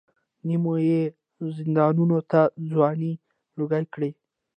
نیم یې زندانونو ته ځوانۍ لوګۍ کړې.